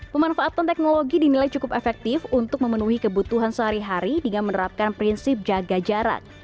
pemanfaatan teknologi dinilai cukup efektif untuk memenuhi kebutuhan sehari hari dengan menerapkan prinsip jaga jarak